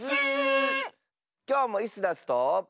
きょうもイスダスと。